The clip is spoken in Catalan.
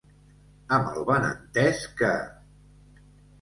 Amb el benentès que.